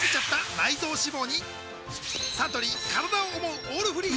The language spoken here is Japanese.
サントリー「からだを想うオールフリー」